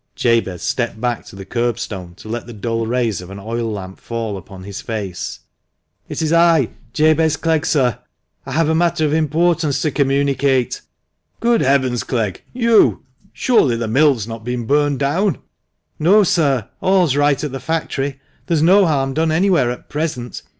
Jabez stepped back to the kerbstone to let the dull rays of an oil lamp fall upon his face. " It is I, Jabez Clegg, sir ; I have a matter of importance to communicate." " Good heavens, Clegg, you ! Surely the mill's not been burned down?" " No, sir, all's right at the factory. There's no harm done anywhere at present.